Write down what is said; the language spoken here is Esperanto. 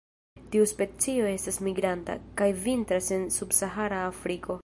Tiu specio estas migranta, kaj vintras en subsahara Afriko.